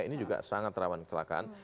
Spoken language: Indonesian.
ini juga sangat rawan kecelakaan